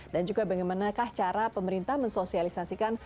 dan juga bagaimana cara pemerintah mensosialisasikan